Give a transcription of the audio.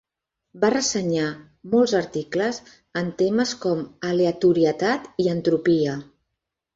Va ressenyar molts articles en temes com aleatorietat i entropia.